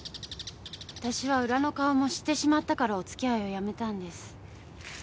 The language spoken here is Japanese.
私は裏の顔も知ってしまったからお付き合いをやめたんです。